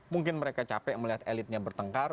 mungkin mereka capek melihat elitnya bertengkar